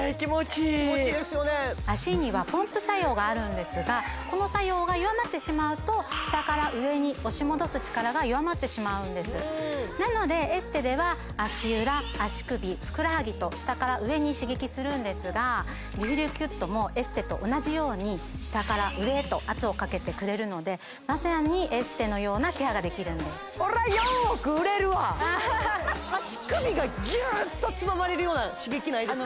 気持ちいい脚にはポンプ作用があるんですがこの作用が弱まってしまうと下から上に押し戻す力が弱まってしまうんですなのでエステでは足裏足首ふくらはぎと下から上に刺激するんですがリフレキュットもエステと同じように下から上へと圧をかけてくれるのでまさにエステのようなケアができるんです足首がギュッとつままれるような刺激ないですか？